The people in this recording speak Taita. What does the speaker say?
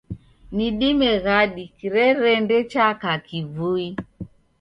Ni dime ghadi kirerende chaka kivui